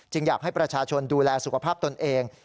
อยากให้ประชาชนดูแลสุขภาพตนเอง